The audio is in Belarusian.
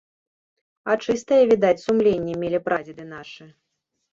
А чыстае, відаць, сумленне мелі прадзеды нашы.